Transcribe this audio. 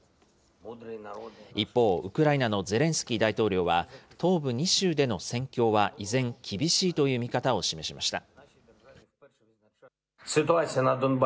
一方、ウクライナのゼレンスキー大統領は、東部２州での戦況は依然厳しいという見方を示しました。